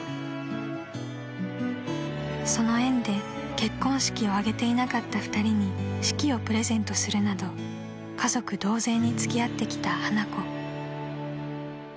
［その縁で結婚式を挙げていなかった二人に式をプレゼントするなど家族同然に付き合ってきた花子］